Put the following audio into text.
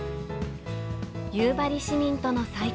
夕張市民との再会。